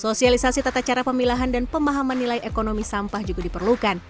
sosialisasi tata cara pemilahan dan pemahaman nilai ekonomi sampah juga diperlukan